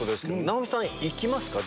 直美さん行きますか？